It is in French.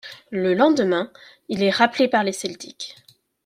Le lendemain, il est rappelé par les Celtics.